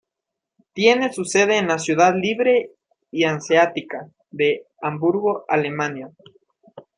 Tiene su sede en la Ciudad Libre y Hanseática de Hamburgo, Alemania.